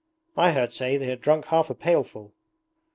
'I heard say they had drunk half a pailful.'